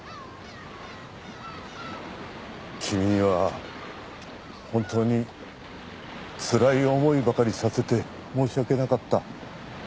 君には本当につらい思いばかりさせて申し訳なかった。